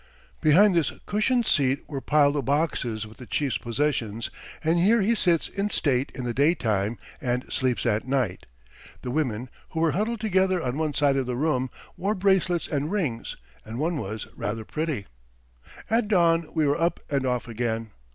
Behind this cushioned seat were piled the boxes with the chief's possessions, and here he sits in state in the daytime and sleeps at night. The women, who were huddled together on one side of the room, wore bracelets and rings, and one was rather pretty. At dawn we were up and off again.